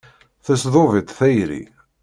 Tesdub-itt tayri.